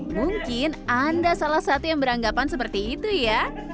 mungkin anda salah satu yang beranggapan seperti itu ya